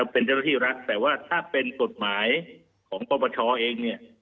เป็นเจ้าหน้าที่รัฐแต่ว่าถ้าเป็นกฎหมายของปปชเองเนี่ย